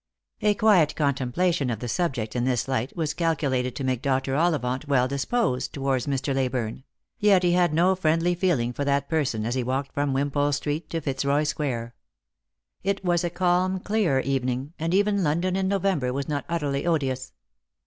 A quiet contemplation of the subject in this light was calcu lated to make Dr. Ollivant well disposed towards Mr. Leyburne; yet he had no friendly feeling for that person as he walked from Wimpole street to Fitzroy square. It was a calm clear evening, and even London in November was not utterly odious.